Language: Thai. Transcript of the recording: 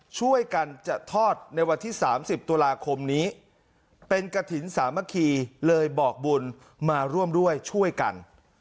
ช่วยกันจะทอดในวันที่๓๐ตุลาคมนี้เป็นกระถิ่นสามัคคีเลยบอกบุญมาร่วมด้วยช่วยกัน